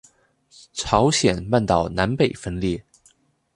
朝鮮半島南北分裂